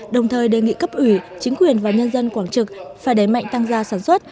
đồng thời đề nghị cấp ủy chính quyền và nhân dân quảng trực phải đẩy mạnh tăng gia sản xuất